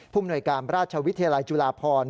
มนวยการราชวิทยาลัยจุฬาพร